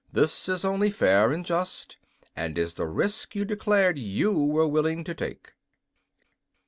This is only fair and just, and is the risk you declared you were willing to take."